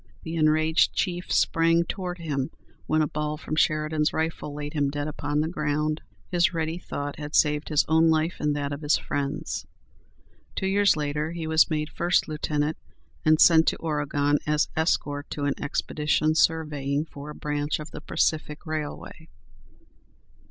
The enraged chief sprang toward him, when a ball from Sheridan's rifle laid him dead upon the ground. His ready thought had saved his own life and that of his friends. Two years later he was made first lieutenant, and sent to Oregon as escort to an expedition surveying for a branch of the Pacific Railway.